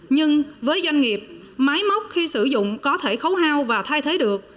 nhưng với doanh nghiệp máy móc khi sử dụng có thể khấu hao và thay thế được